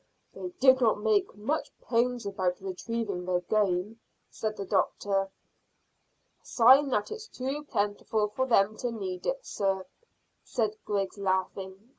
"They did not take much pains about retrieving their game," said the doctor. "Sign that it's too plentiful for them to need it, sir," said Griggs, laughing.